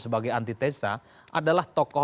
sebagai anti tesa adalah tokoh